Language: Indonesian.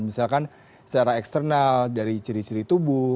misalkan secara eksternal dari ciri ciri tubuh